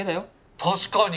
確かに！